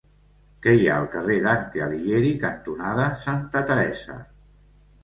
Què hi ha al carrer Dante Alighieri cantonada Santa Teresa?